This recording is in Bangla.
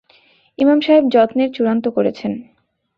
ইমাম সাহেব যত্বের চূড়ান্ত করেছেন।